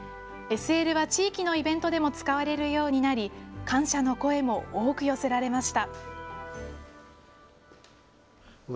ＳＬは地域のイベントでも使われるようになり、感謝の声も多く寄せられました。